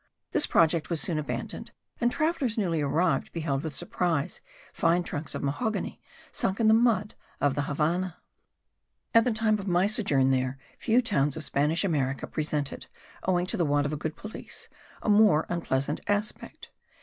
This project was soon abandoned and travellers newly arrived beheld with surprise fine trunks of mahogany sunk in the mud of the Havannah. At the time of my sojourn there few towns of Spanish America presented, owing to the want of a good police, a more unpleasant aspect.